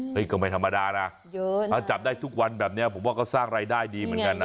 ก็ไม่ธรรมดานะถ้าจับได้ทุกวันแบบนี้ผมว่าก็สร้างรายได้ดีเหมือนกันนะ